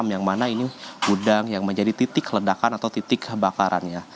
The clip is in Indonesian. yang mana ini gudang yang menjadi titik ledakan atau titik bakarannya